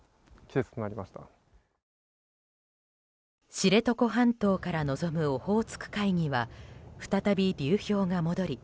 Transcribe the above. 知床半島から望むオホーツク海には再び流氷が戻り